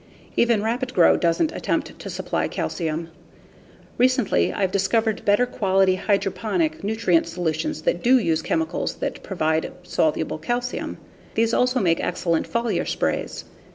Even Rapid Gro doesn't attempt to supply calcium. Recently I've discovered better quality hydroponic nutrient solutions that do use chemicals that provide soluble calcium. These also make excellent foliar sprays.